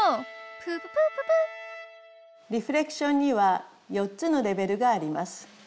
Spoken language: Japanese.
プーププーププリフレクションには４つのレベルがあります。